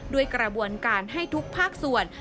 ด้วยกระบวนการให้ทุกภาคส่วน